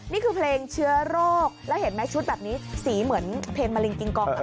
นี่คือเพลงเชื้อโรคแล้วเห็นไหมชุดแบบนี้สีเหมือนเพลงมะเร็งกิงกอง